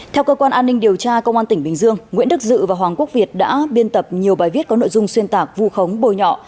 theo cơ quan an ninh điều tra công an tỉnh bình dương nguyễn đức dự và hoàng quốc việt đã biên tập nhiều bài viết có nội dung xuyên tạc vù khống bồi nhọ